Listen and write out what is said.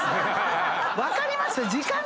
分かります？